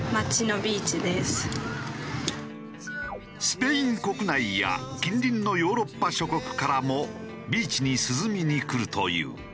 スペイン国内や近隣のヨーロッパ諸国からもビーチに涼みに来るという。